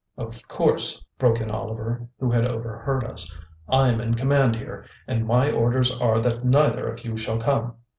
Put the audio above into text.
"Of course," broke in Oliver, who had overheard us, "I'm in command here, and my orders are that neither of you shall come.